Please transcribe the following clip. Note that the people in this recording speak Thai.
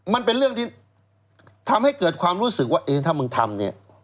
มันเป็นเรื่องที่ทำให้เกิดความรู้สึกว่าเอ๊ะถ้ามึงทำเนี่ย